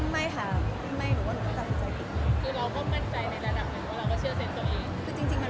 ไม่ค่ะไม่หนูก็ตัดสินใจผิด